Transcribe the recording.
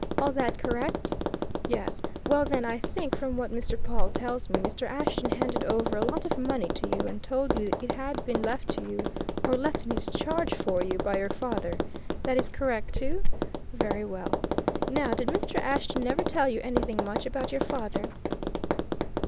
All that correct? Yes? Well, then, I think, from what Mr. Pawle tells me, Mr. Ashton handed over a lot of money to you, and told you it had been left to you, or left in his charge for you, by your father? That is correct too? Very well. Now, did Mr. Ashton never tell you anything much about your father?"